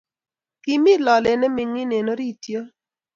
Ki mi lolet ne mining eng orit yo